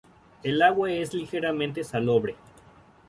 El agua es ligeramente salobre.